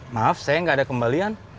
maaf saya nggak ada kembalian